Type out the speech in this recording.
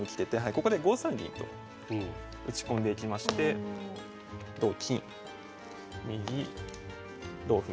ここで５三銀と打ち込んでいきまして同金右同歩